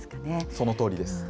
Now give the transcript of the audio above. そのとおりです。